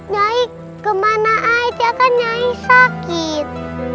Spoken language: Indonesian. nyai kemana aja nyai sakit